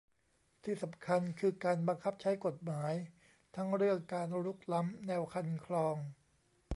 ที่สำคัญคือการบังคับใช้กฎหมายทั้งเรื่องการรุกล้ำแนวคันคลอง